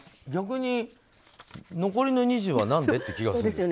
逆に残りの２０は何で？って気がする。